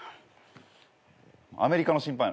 アメリカの審判。